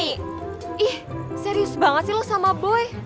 ih serius banget sih loh sama boy